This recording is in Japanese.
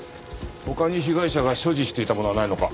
他に被害者が所持していたものはないのか？